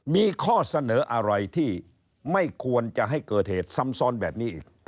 มีข้อเสนออะไรที่ไม่ควรจะให้เกิดเหตุซ้ำซ้อนแบบนี้อีก